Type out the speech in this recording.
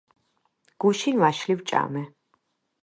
გუშინ ვაშლი ვჭამე